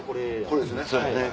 これですね。